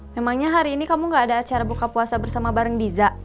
memangnya hari ini kamu gak ada acara buka puasa bersama bareng diza